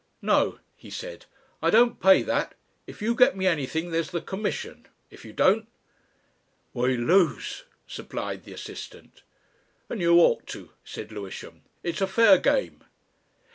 "No," he said. "I don't pay that. If you get me anything there's the commission if you don't " "We lose," supplied the assistant. "And you ought to," said Lewisham. "It's a fair game."